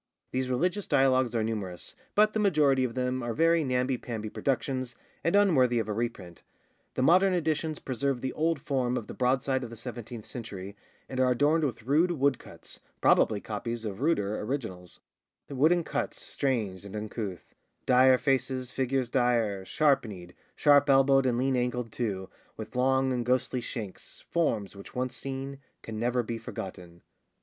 These religious dialogues are numerous, but the majority of them are very namby pamby productions, and unworthy of a reprint. The modern editions preserve the old form of the broadside of the seventeenth century, and are adorned with rude woodcuts, probably copies of ruder originals— —'wooden cuts Strange, and uncouth; dire faces, figures dire, Sharp kneed, sharp elbowed, and lean ankled too, With long and ghostly shanks, forms which once seen, Can never be forgotten!